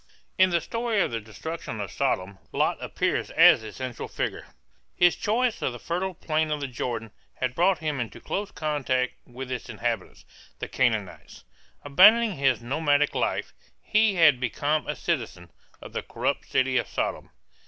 In the story of the destruction of Sodom Lot appears as the central figure. His choice of the fertile plain of the Jordan had brought him into close contact with its inhabitants, the Canaanites. Abandoning his nomadic life, he had become a citizen, of the corrupt city of Sodom.